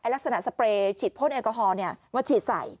ลักษณะสเปรย์ฉีดพ่นแอลกอฮอล์มาฉีดใส่